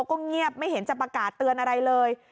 โคมเงียบไม่เห็นประดาษเตือนอะไรเลย